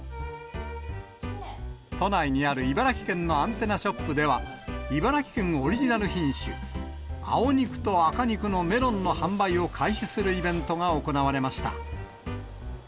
都内にある茨城県のアンテナショップでは、茨城県オリジナル品種、青肉と赤肉のメロンの販売を開始するイベントが行われました。